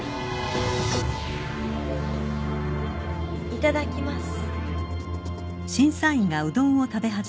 いただきます。